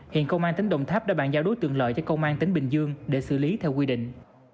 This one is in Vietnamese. hiện công an tỉnh đồng tháp đã bàn giao đối tượng lợi cho công an tỉnh bình dương để xử lý theo quy định